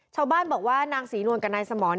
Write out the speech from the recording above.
ชาวบ้านบอกว่านางศรีนวลกับนายสมร